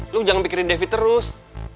lu jangan pikirin devi terus